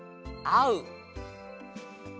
あう。